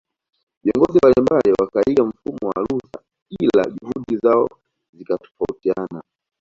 Viongozi mbalimbali wakaiga mfano wa Luther ila juhudi zao zikatofautiana